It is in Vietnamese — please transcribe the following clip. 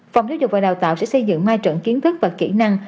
phòng giáo dục và đào tạo sẽ xây dựng mai trận kiến thức và kỹ năng